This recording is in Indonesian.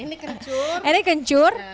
iya ini kencur